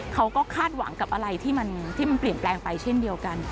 เขาก็คาดหวังกับอะไรที่มันเปลี่ยนแปลงไปเช่นเดียวกัน